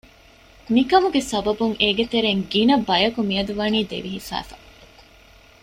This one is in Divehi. މިކަމުގެ ސަބަބުން އޭގެ ތެރެއިން ގިނަބަޔަކު މިއަދު ވަނީ ދެވި ހިފައިފަ